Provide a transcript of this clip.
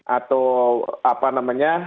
atau apa namanya